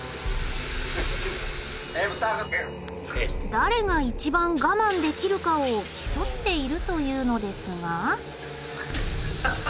誰が一番我慢できるかを競っているというのですが。